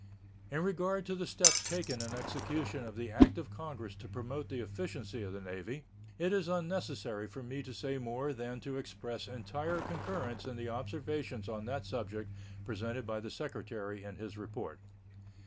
In regard to the steps taken in execution of the act of Congress to promote the efficiency of the Navy, it is unnecessary for me to say more than to express entire concurrence in the observations on that subject presented by the Secretary in his report.